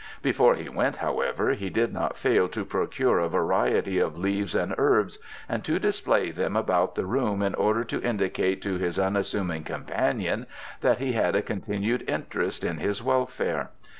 Before he went, however, he did not fail to procure a variety of leaves and herbs, and to display them about the room in order to indicate to his unassuming companion that he had a continued interest in his welfare.